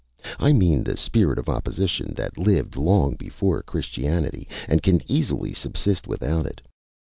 I mean the spirit of opposition, that lived long before Christianity, and can easily subsist without it.